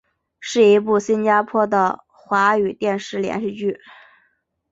是一部新加坡的的华语电视连续剧。